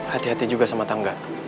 hati hati juga sama tangga